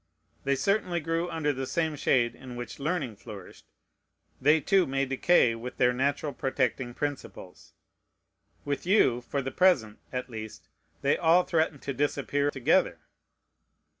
They certainly grew under the same shade in which learning flourished. They, too, may decay with their natural protecting principles. With you, for the present at least, they all threaten to disappear together.